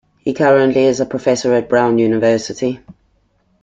He currently is a professor at Brown University.